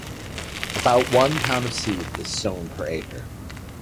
About one pound of seed is sown per acre.